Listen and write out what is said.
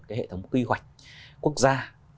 cái hệ thống quy hoạch quốc gia